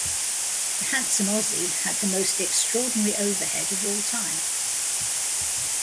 The handsome Aussie had the most extraordinary overhead of all time.